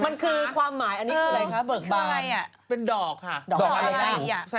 มันคือความหมายที่ก็มีได้นะครับเบิกบารณ์เป็นอะไรอะ